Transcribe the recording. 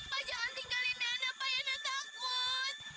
pak jangan tinggalin dana pak yang takut